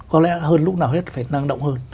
có lẽ hơn lúc nào hết phải năng động hơn